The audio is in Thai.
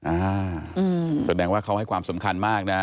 อ่าแสดงว่าเขาให้ความสำคัญมากนะ